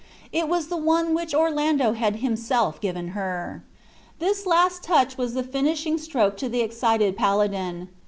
It was the one which Orlando had himself given her. This last touch was the finishing stroke to the excited paladin.